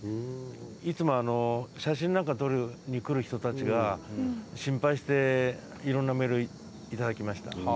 いつも写真なんか撮りに来る人たちが心配していろんなメール頂きました。